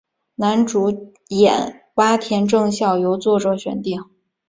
男主演洼田正孝由作者选定。